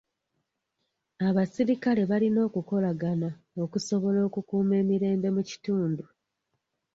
Abasirikale balina okukolagana okusobola okukuuma emirembe mu kitundu.